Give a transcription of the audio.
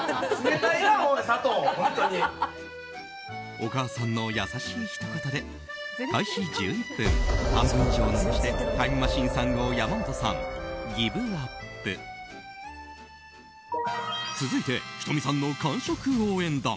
お母さんの優しいひと言で開始１１分、半分以上を残してタイムマシーン３号山本さん、ギブアップ！続いて、仁美さんの完食応援団。